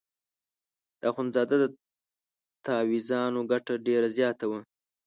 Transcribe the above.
د اخندزاده د تاویزانو ګټه ډېره زیاته وه.